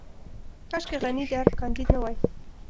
کاشکې غني د ارګ کانديد نه وای.